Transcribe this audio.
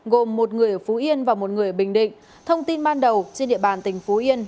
gồm một người ở phú yên và một người bình định thông tin ban đầu trên địa bàn tỉnh phú yên